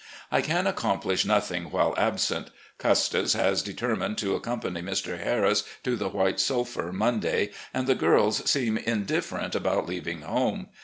I can accomplish nothing while absent. Custis has determined to accompany Mr. Harris to the White Sulphur Monday, and the girls seem indifferent about leaving home.